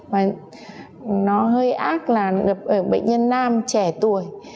và nó hơi ác là gặp ở bệnh nhân nam trẻ tuổi